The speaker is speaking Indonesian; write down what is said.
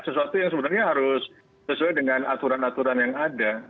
sesuatu yang sebenarnya harus sesuai dengan aturan aturan yang ada